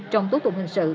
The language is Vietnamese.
trong tố tụng hình sự